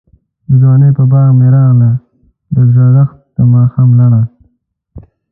دځوانۍپه باغ می راغله، دزړښت دماښام لړه